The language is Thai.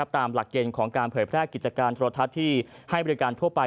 หลักเกณฑ์ของการเผยแพร่กิจการโทรทัศน์ที่ให้บริการทั่วไป